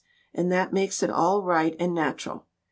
And that makes it all right and natural.